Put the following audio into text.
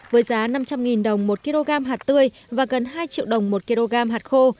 với giá năm trăm linh đồng một kg hạt tươi và gần hai triệu đồng một kg hạt khô